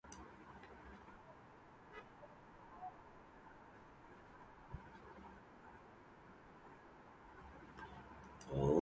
Learning communities and interest housing options are also available.